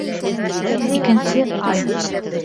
Икенсе ай.